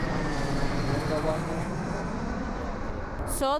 Obuwunga bwa muwogo bulungi nnyo eri abaana.